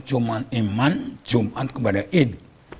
cuma imam jumat kepada idh